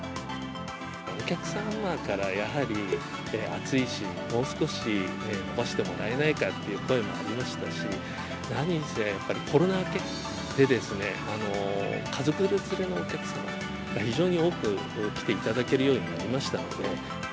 お客様からやはり、暑いし、もう少し延ばしてもらえないかっていう声もありましたし、何せやっぱり、コロナ明けでですね、家族連れのお客様が非常に多く来ていただけるようになりましたので。